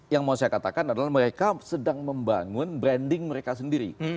yang mau saya katakan adalah mereka sedang membangun branding mereka sendiri